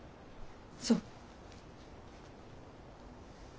そう。